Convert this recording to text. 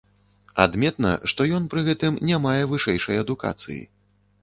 Адметна, што ён пры гэтым не мае вышэйшай адукацыі.